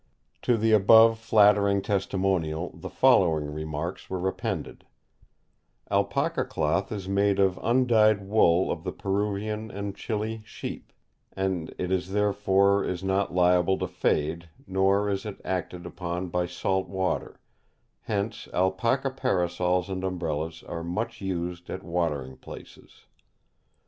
To the above flattering testimonial the following remarks were appended: "Alpaca cloth is made of undyed wool of the Peruvian and Chili sheep, and it is therefore is not liable to fade, nor is it acted upon by salt water; hence Alpaca Parasols and Umbrellas are much used at watering places.